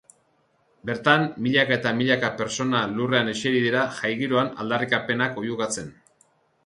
Bertan, milaka eta milaka pertsona lurrean eseri dira jai giroan aldarrikapenak oihukatzen.